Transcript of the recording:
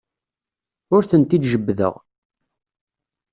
Ur tent-id-jebbdeɣ.